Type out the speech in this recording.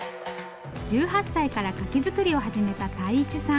１８歳から柿作りを始めた泰一さん。